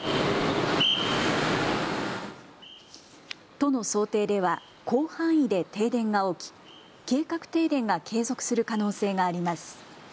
都の想定では広範囲で停電が起き計画停電が継続する可能性があります。